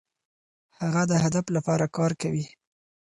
هغه د هدف لپاره هڅه کوي.